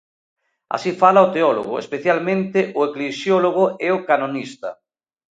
Así fala o teólogo, especialmente o eclesiólogo e o canonista.